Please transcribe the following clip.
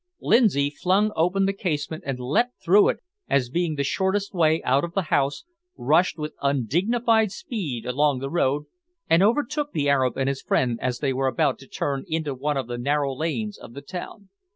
Lindsay flung open the casement and leapt through it as being the shortest way out of the house, rushed with undignified speed along the road, and overtook the Arab and his friend as they were about to turn into one of the narrow lanes of the town.